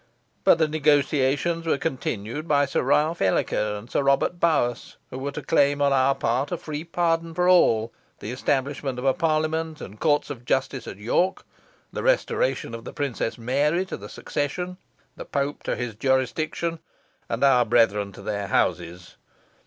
But the negotiations were continued by Sir Ralph Ellerker and Sir Robert Bowas, who were to claim on our part a free pardon for all; the establishment of a Parliament and courts of justice at York; the restoration of the Princess Mary to the succession; the Pope to his jurisdiction; and our brethren to their houses.